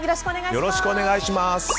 よろしくお願いします。